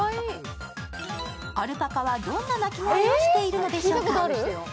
アルパカはどんな鳴き声をしているんでしょうか。